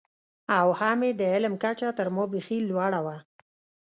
او هم یې د علم کچه تر ما بېخي لوړه وه.